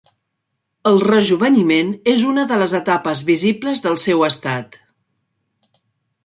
El rejoveniment és una de les etapes visibles del seu estat.